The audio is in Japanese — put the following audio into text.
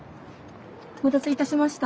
お待たせいたしました。